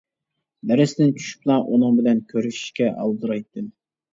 دەرستىن چۈشۈپلا ئۇنىڭ بىلەن كۆرۈشۈشكە ئالدىرايتتىم.